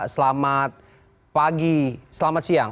selamat pagi selamat siang